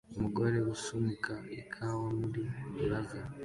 Umugore usunika ikawa muri plaza